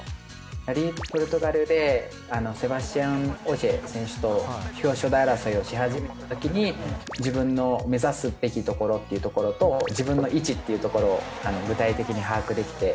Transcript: ラリー・ポルトガルでセバスチャン・オジェ選手と表彰台争いをし始めた時に自分の目指すべきところっていうところと自分の位置っていうところを具体的に把握できて。